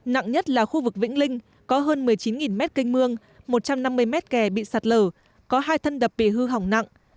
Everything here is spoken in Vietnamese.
nặng nhất là khu vực vĩnh linh có hơn một mươi chín mét canh mương một trăm năm mươi mét kè bị sạt lở có hai thân đập bị hư hỏng nặng